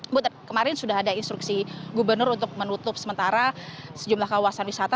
bu kemarin sudah ada instruksi gubernur untuk menutup sementara sejumlah kawasan wisata